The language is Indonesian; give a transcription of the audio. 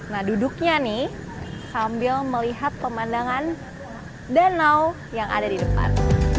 nah duduknya nih sambil melihat pemandangan danau yang ada di depan